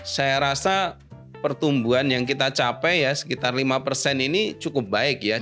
saya rasa pertumbuhan yang kita capai ya sekitar lima persen ini cukup baik ya